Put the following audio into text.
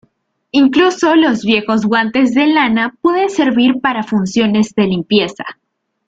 Incluso, los viejos guantes de lana pueden servir para funciones de limpieza.